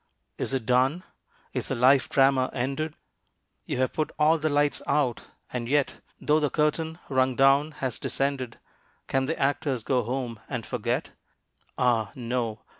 Is it done? is the life drama ended? You have put all the lights out, and yet, Though the curtain, rung down, has descended, Can the actors go home and forget? Ah, no!